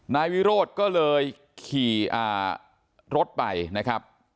นายวิโรธก็เลยขี่รถไปนะครับ